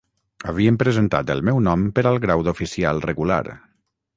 Havien presentat el meu nom per al grau d'oficial regular